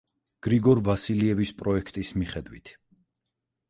გრიგორ ვასილევის პროექტის მიხედვით.